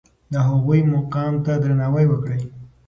د هغوی مقام ته درناوی وکړئ.